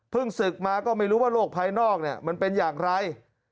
ศึกมาก็ไม่รู้ว่าโลกภายนอกมันเป็นอย่างไร